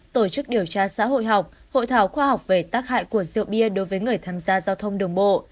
tổ chức điều tra xã hội học hội thảo khoa học về tác hại của rượu bia đối với người tham gia giao thông đường bộ